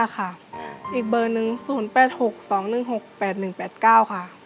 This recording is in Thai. ๐๘๒๘๗๗๕๐๗๕ค่ะอีกเบอร์นึง๐๘๖๒๑๖๘๑๘๙ค่ะ